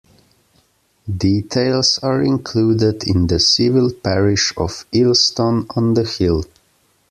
Details are included in the civil parish of Illston on the Hill.